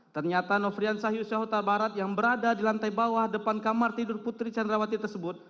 ternyata nofriansah yusyahuta barat yang berada di lantai bawah depan kamar tidur putri candrawati tersebut